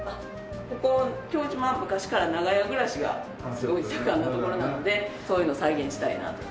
ここ京島は昔から長屋暮らしがすごい盛んな所なのでそういうのを再現したいなと。